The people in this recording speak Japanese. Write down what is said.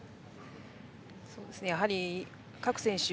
やはり、各選手